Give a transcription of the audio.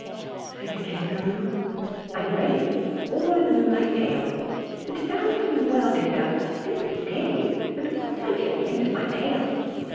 Said the Kangaroo, "I'm ready! All in the moonlight pale; But to balance me well, dear Duck, sit steady! And quite at the end of my tail!"